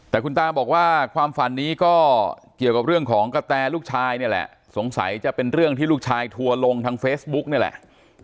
แต่คุณตาบอกว่าความฝันนี้ก็เกี่ยวกับเรื่องของกระแตลูกชายนี่แหละสงสัยจะเป็นเรื่องที่ลูกชายทัวร์ลงทางเฟซบุ๊กนี่แหละ